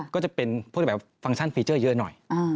ก็จะเป็นพวกแบบฟังก์ฟีเจอร์เยอะหน่อย